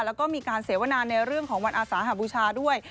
แล้วก็มีการเสวนาในเรื่องของวันอาสาหบูชาด้วย